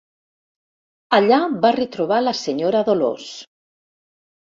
Allà va retrobar la senyora Dolors.